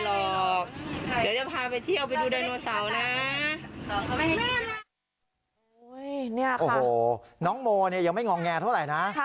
โอ้โหน้องโมเนี่ยยังไม่งองแง่เท่าไหร่นะ